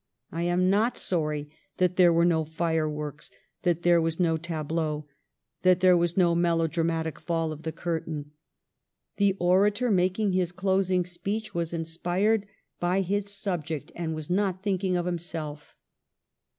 I am not sorry that there were no fireworks; that there was no tableau ; that there was no melo dramatic fall of the curtain. The orator making his closing speech was inspired by his subject and was not thinking of himself.